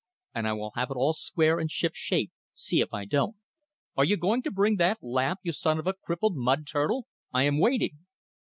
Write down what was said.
"And I will have it all square and ship shape; see if I don't! Are you going to bring that lamp, you son of a crippled mud turtle? I am waiting."